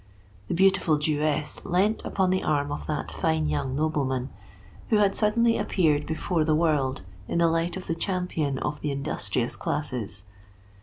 The beautiful Jewess leant upon the arm of that fine young nobleman who had suddenly appeared before the world in the light of the champion of the industrious classes.